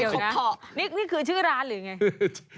นี่คือชื่อร้านหรือไง